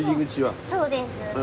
そうです。